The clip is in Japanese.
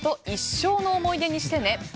一生の思い出にしてね。